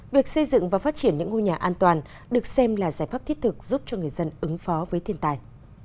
việc xây dựng và phát triển những ngôi nhà an toàn được xem là giải pháp thiết thực giúp cho người dân ứng phó với thiên tài